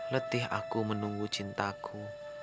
letih aku menunggu cintaku